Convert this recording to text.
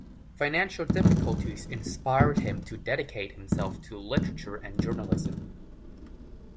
Financial difficulties inspired him to dedicate himself to literature and journalism.